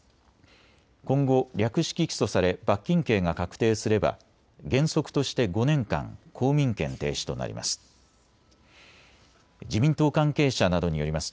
今後、略式起訴され罰金刑が確定すれば原則として５年間公民権停止となります。